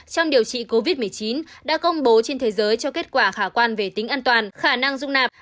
trong điều trị covid một mươi chín đã công bố trên thế giới cho kết quả khả quan về tính an toàn khả năng dung nạp